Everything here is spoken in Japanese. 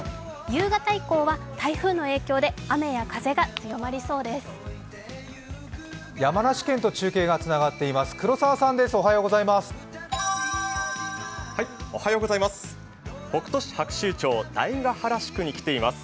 夕方以降は台風の影響で雨や風が強まりそうです。